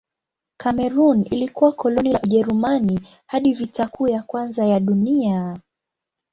Kamerun ilikuwa koloni la Ujerumani hadi Vita Kuu ya Kwanza ya Dunia.